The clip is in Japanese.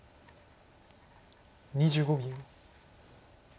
２５秒。